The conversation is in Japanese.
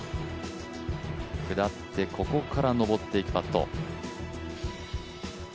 下って、ここから上っていくパット。